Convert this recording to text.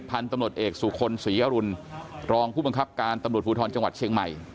พันธุ์ตำรวจเอกสุคลศรีอรุณรองผู้บังคับการตำรวจภูทรจังหวัดเชียงใหม่